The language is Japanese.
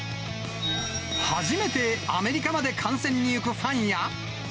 初めてアメリカまで観戦に行くファンや。